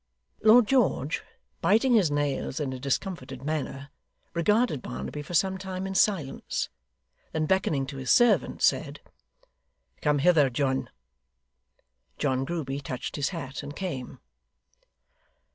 Lord George, biting his nails in a discomfited manner, regarded Barnaby for some time in silence; then beckoning to his servant, said: 'Come hither, John.' John Grueby touched his hat, and came.